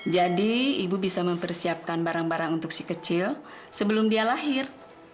jadi ibu bisa mempersiapkan barang barang untuk si kecil sebelum dia lahir